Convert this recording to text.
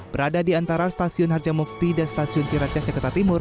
berada di antara stasiun harjamukti dan stasiun ciracas jakarta timur